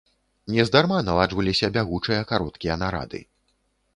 Нездарма наладжваліся бягучыя кароткія нарады.